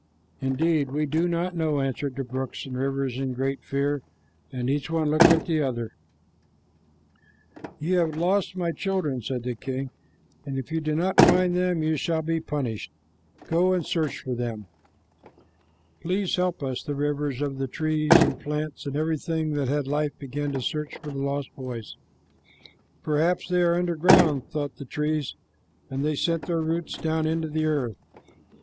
"Indeed, we do not know," answered the brooks and rivers in great fear, and each one looked at the others. "You have lost my children," said the king, "and if you do not find them, you shall be punished. Go and search for them." "Please help us," the rivers begged of the trees and plants, and everything that had life began to search for the lost boys. "Perhaps they are under ground," thought the trees, and they sent their roots down into the earth.